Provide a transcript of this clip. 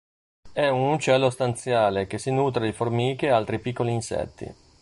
È un uccello stanziale che si nutre di formiche e altri piccoli insetti.